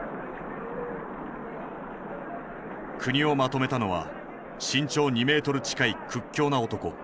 国をまとめたのは身長２メートル近い屈強な男。